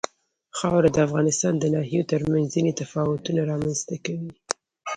خاوره د افغانستان د ناحیو ترمنځ ځینې تفاوتونه رامنځ ته کوي.